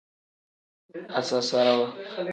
Asasarawu.